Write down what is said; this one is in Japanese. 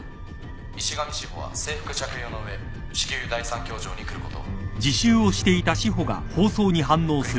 石上史穂は制服着用の上至急第３教場に来ること。